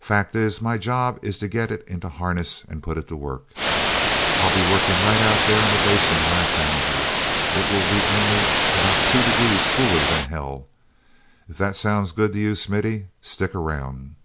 Fact is, my job is to get it into harness and put it to work. I'll be working right out there in the Basin where I found you. It will be only about two degrees cooler than hell. If that sounds good to you, Smithy, stick around."